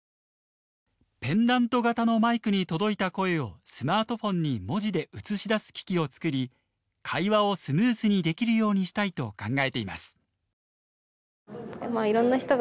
ペンダント型のマイクに届いた声をスマートフォンに文字で映し出す機器を作り会話をスムーズにできるようにしたいと考えています。